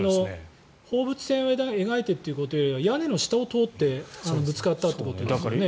放物線を描いてということよりは屋根の下を通ってぶつかったってことですよね。